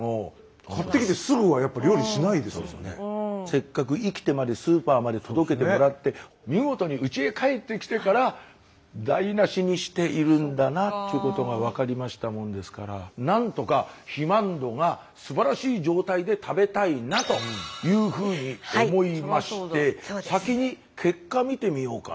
せっかく生きてまでスーパーまで届けてもらって見事ににしているんだなということが分かりましたもんですから何とか肥満度がすばらしい状態で食べたいなというふうに思いまして先に結果見てみようかな。